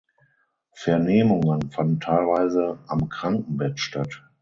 Vernehmungen fanden teilweise am Krankenbett statt.